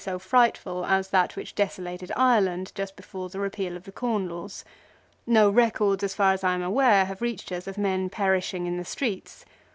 15 so frightful as that which desolated Ireland just before the repeal of the Corn Laws. No records as far as I am aware have reached us of men perishing in the streets.